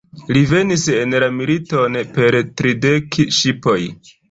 Li venis en la militon per tridek ŝipoj.